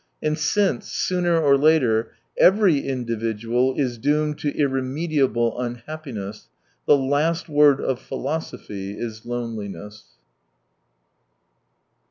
And since, sooner or later, every individual is doomed to irremediable unhappiness, the last word of philosophy is loneliness.